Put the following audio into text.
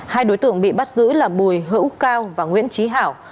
hai đối tượng bị bắt giữ là bùi hữu cao và nguyễn trí hảo